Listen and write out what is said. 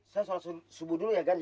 saya sholat subuh dulu ya kan